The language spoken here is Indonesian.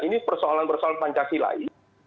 ini persoalan persoalan pancasilaist